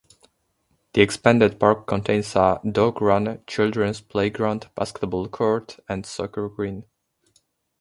The expanded park contains a dog run, children's playground, basketball court, and soccer green.